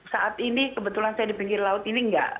saat ini kebetulan saya di pinggir laut ini enggak